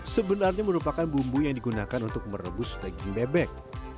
sebenarnya merupakan bumbu yang digunakan untuk merebus daging bebek